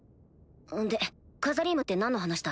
でカザリームって何の話だ？